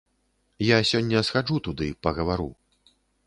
Я сёння схаджу туды пагавару.